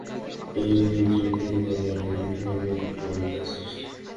এই উজীবন থেকেই তাঁর অনেক সংরাগময় কবিতার সৃষ্টি।